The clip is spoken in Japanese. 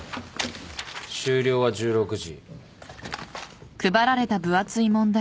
終了は１６時。